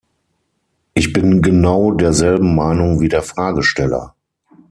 Ich bin genau derselben Meinung wie der Fragesteller.